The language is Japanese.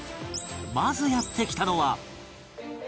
まずやって来たのは